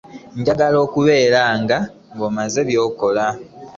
Njagala kulaba nga omaze by'okola.